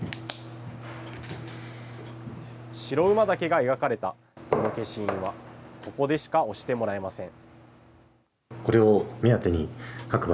白馬岳が描かれたこの消印は、ここでしか押してもらえません。